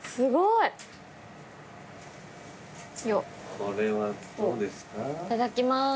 いただきます。